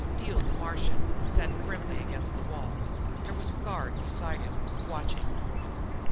Dio the Martian sat grimly against the wall. There was a guard beside him, watching.